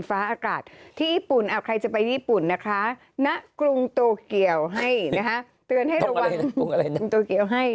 พระราชกาแพร่ชะไก่เท่าไหร่ไม่ใช่ชะยก